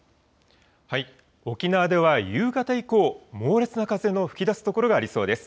沖縄では夕方以降、猛烈な風の吹きだすところがありそうです。